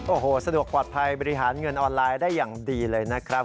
โอ้โหสะดวกปลอดภัยบริหารเงินออนไลน์ได้อย่างดีเลยนะครับ